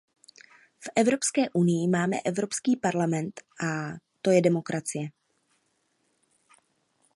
V Evropské unii máme Evropský parlament, a to je demokracie.